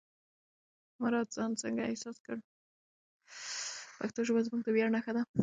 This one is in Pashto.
پښتو ژبه زموږ د ویاړ نښه ده.